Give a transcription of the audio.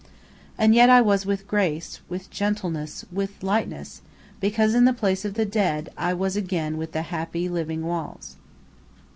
And yet I was with grace, with gentleness, with lightness, because in the place of the dead I was again with the happy, living walls.